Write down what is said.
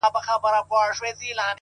• زړه مي را خوري ـ